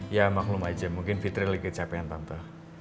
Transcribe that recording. ya maklum aja mungkin fitri lagi kecapean tante